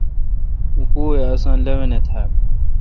اوں پوُ ے اساں لوَنے تھال۔